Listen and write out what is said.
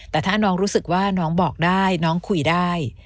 แต่ถ้าน้องรู้สึกว่าน้องบอกได้น้องคุยได้